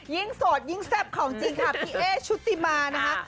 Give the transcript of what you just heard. โสดยิ่งแซ่บของจริงค่ะพี่เอ๊ชุติมานะคะ